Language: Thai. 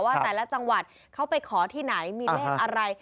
ว่าแต่ละจังหวัดเขาไปขอที่ไหนมีเลขอะไร